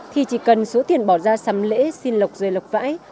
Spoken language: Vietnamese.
thì chỉ cần số tiền bỏ ra xăm lễ xin lọc rơi lọc vãi